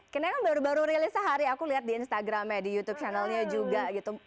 karena kan baru baru rilis sehari aku lihat di instagramnya di youtube channelnya juga gitu